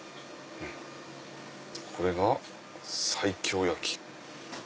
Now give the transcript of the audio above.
これが西京焼き。